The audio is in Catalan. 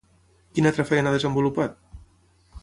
Quina altra feina ha desenvolupat?